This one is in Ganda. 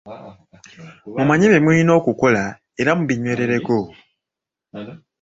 Mumanye bye mulina okukola era mubinywerereko.